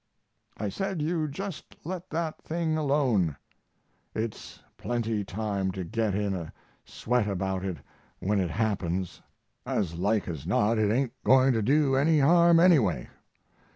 I said you just let that thing alone; it's plenty time to get in a sweat about it when it happens; as like as not it ain't going to do any harm, anyway.